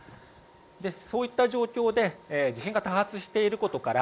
そういった状況で地震が多発していることから